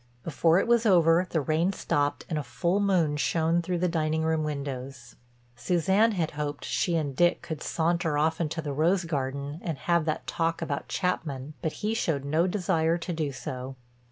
Before it was over the rain stopped and a full moon shone through the dining room windows. Suzanne had hoped she and Dick could saunter off into the rose garden and have that talk about Chapman, but he showed no desire to do so.